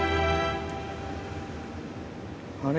あれ？